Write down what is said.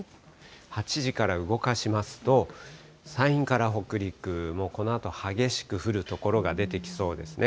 ８時から動かしますと、山陰から北陸、このあと激しく降る所が出てきそうですね。